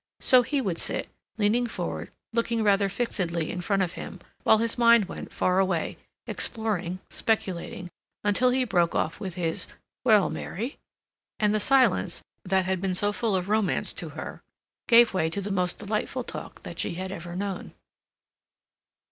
So he would sit, leaning forward, looking rather fixedly in front of him, while his mind went far away, exploring, speculating, until he broke off with his, "Well, Mary?"—and the silence, that had been so full of romance to her, gave way to the most delightful talk that she had ever known.